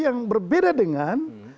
yang berbeda dengan